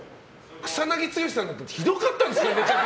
草なぎ剛さんなんかひどかったんですから。